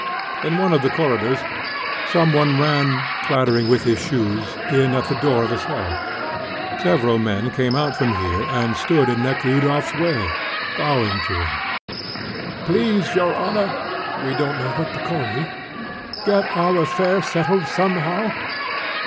In one of the corridors, some one ran, clattering with his shoes, in at the door of a cell. Several men came out from here, and stood in Nekhludoff's way, bowing to him. "Please, your honour (we don't know what to call you), get our affair settled somehow."